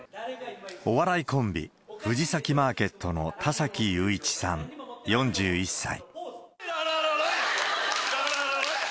お笑いコンビ、藤崎マーケットの田崎佑一さん４１歳。